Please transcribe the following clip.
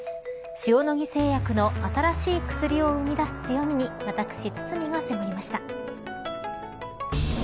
塩野義製薬の新しい薬を生み出す強みに私、堤が迫りました。